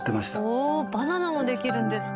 おおーっバナナもできるんですか。